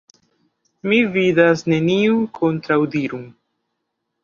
Mi vidas neniun kontraŭdiron.